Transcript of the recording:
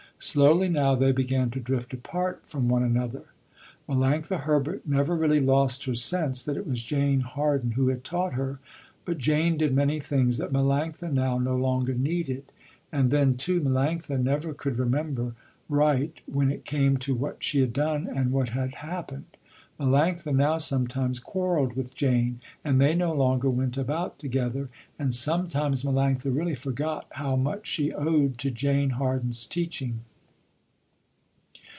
Slowly now they began to drift apart from one another. Melanctha Herbert never really lost her sense that it was Jane Harden who had taught her, but Jane did many things that Melanctha now no longer needed. And then, too, Melanctha never could remember right when it came to what she had done and what had happened. Melanctha now sometimes quarreled with Jane, and they no longer went about together, and sometimes Melanctha really forgot how much she owed to Jane Harden's teaching.